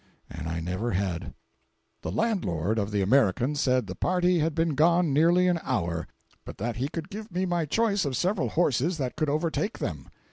And I never had. The landlord of the American said the party had been gone nearly an hour, but that he could give me my choice of several horses that could overtake them.